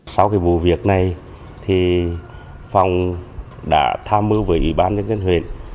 sau cái vụ việc này thì phòng đã tham mưu với ủy ban nhân dân huyện